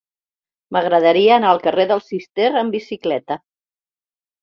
M'agradaria anar al carrer del Cister amb bicicleta.